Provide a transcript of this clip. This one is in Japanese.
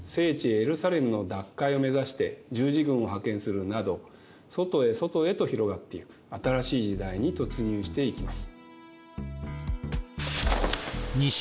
エルサレムの奪回を目指して十字軍を派遣するなど外へ外へと広がっていく新しい時代に突入していきます。